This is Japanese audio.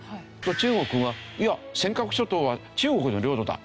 中国はいや尖閣諸島は中国の領土だ！